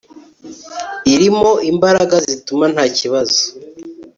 irimo imbaraga zituma ntakibazo